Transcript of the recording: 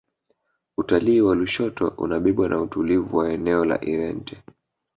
utalii wa lushoto unabebwa na utulivu wa eneo la irente